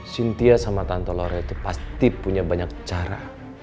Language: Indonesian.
sintia sama tante lore itu pasti punya banyak cara